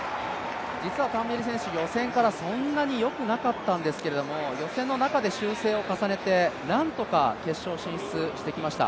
実はタンベリ選手、予選からそんなによくなかったんですけど、予選の中で修正を重ねて何とか決勝進出してきました。